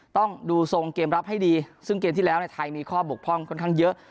ต้องดูทรงเกมรับให้ดีซึ่งเกมที่แล้วในไทยมีข้อบกพร่องค่อนข้างเยอะ